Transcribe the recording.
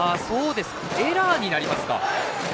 エラーになりますか。